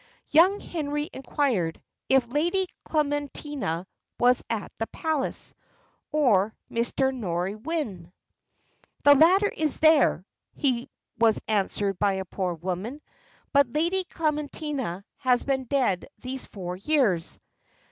Young Henry inquired "if Lady Clementina was at the palace, or Mr. Norwynne?" "The latter is there," he was answered by a poor woman; "but Lady Clementina has been dead these four years."